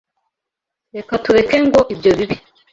Reka tureke ngo ibyo bibe.